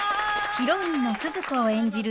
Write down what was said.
ヒロインのスズ子を演じる